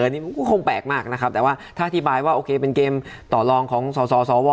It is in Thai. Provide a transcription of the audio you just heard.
อันนี้ก็คงแปลกมากนะครับแต่ว่าถ้าอธิบายว่าโอเคเป็นเกมต่อลองของสสว